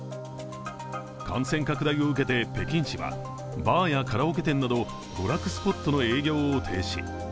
感染拡大を受けて北京市は、バーやカラオケ店など娯楽スポットの営業を停止。